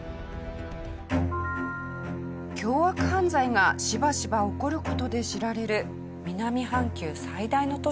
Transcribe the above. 凶悪犯罪がしばしば起こる事で知られる南半球最大の都市